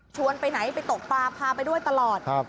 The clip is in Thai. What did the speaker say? ชวนไปไหนไปตกปลาพาไปด้วยตลอดครับ